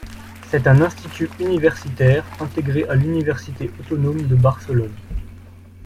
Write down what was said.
C'est un institut universitaire intégré à l'université autonome de Barcelone.